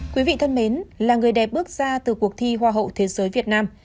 quý vị thân mến là người đẹp bước ra từ cuộc thi hoa hậu thế giới việt nam